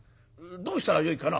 どうしたらよいかな？」。